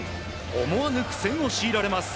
思わぬ苦戦を強いられます。